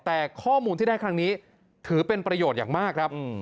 แต่ข้อมูลที่ได้ครั้งนี้ถือเป็นประโยชน์อย่างมากครับ